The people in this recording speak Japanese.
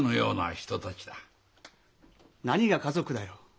何が家族だよ。